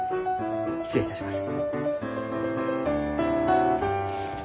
失礼いたします。